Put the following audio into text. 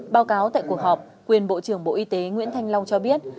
báo cáo tại cuộc họp quyền bộ trưởng bộ y tế nguyễn thanh long cho biết